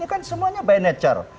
itu kan semuanya by nature